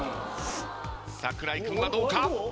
櫻井君はどうか？